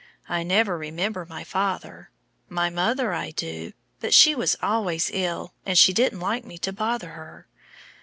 I never remember my father. My mother I do, but she was always ill, and she didn't like me to bother her.